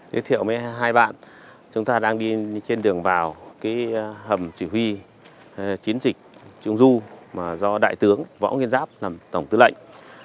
giới thiệu với hai bạn chúng ta đang đi trên đường vào hầm chỉ huy chiến dịch trung du do đại tướng võ nguyên giáp làm tổng tư lệnh